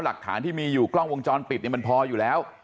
หลักฐานที่มีอยู่กล้องวงจรปิดมันพออยู่แล้ว